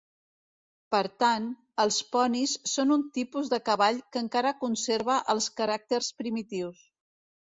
Per tant, els ponis, són un tipus de cavall que encara conserva els caràcters primitius.